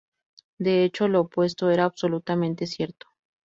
De hecho, lo opuesto era absolutamente cierto.